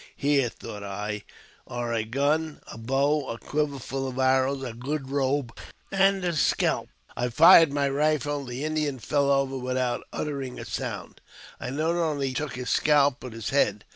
'" Here," thought I, "are a gun, a bow, a quiver full of arrows, a good robe, and a scalp." 120 AUTOBIOGBAPEY OF I fired my rifle ; the Indian fell over without uttering a sound. I not only took his scalp, but his head.